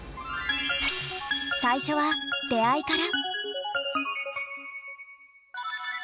最初は出会いから。